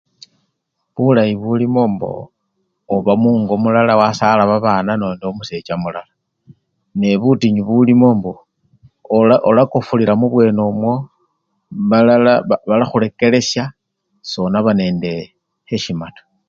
Bulayi bulimo mbo oba mungo mulala wasala babana nende omusecha mulala nebutinyu bulimo mbo olakofulila mubwene omwo mala balakhulekelesha sonaba nende heshima taa.